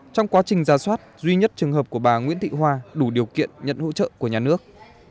trong quá trình ra soát duy nhất trường hợp của bà nguyễn thị hoa đủ điều kiện nhận hỗ trợ của nhà nước